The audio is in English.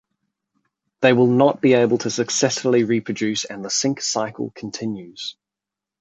They will not be able to successfully reproduce and the sink cycle continues.